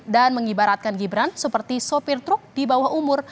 dan mengibaratkan gibran seperti sopir truk di bawah umur